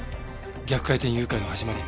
逆回転誘拐の始まり